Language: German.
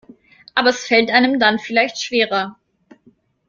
Aber es fällt einem dann vielleicht schwerer.